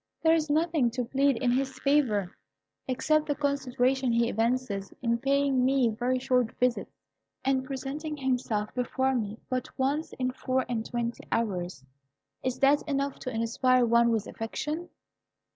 There is nothing to plead in his favour, except the consideration he evinces in paying me very short visits, and presenting himself before me but once in four and twenty hours. Is that enough to inspire one with affection?"